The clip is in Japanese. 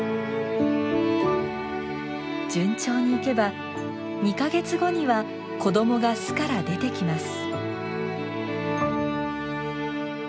順調にいけば２か月後には子どもが巣から出てきます。